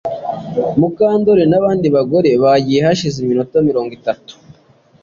Mukandoli nabandi bagore bagiye hashize iminota mirongo itatu